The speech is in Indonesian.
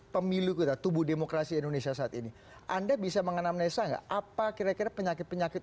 pemilu tubuh demokrasi indonesia saat ini anda bisa mengenamnesa apa kira kira penyakit penyakit